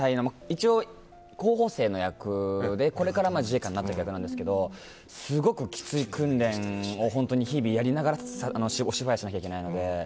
一応、候補生の役でこれから自衛官になるという役なんですけどすごくきつい訓練を日々やりながらお芝居しないといけないので。